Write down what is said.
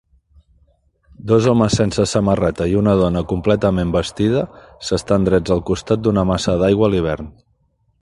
Dos homes sense samarreta i una dona completament vestida s'estan drets al costat d'una massa d'aigua a l'hivern.